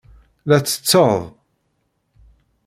La ttetteḍ